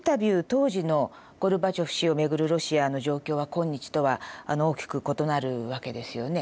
当時のゴルバチョフ氏をめぐるロシアの状況は今日とは大きく異なるわけですよね。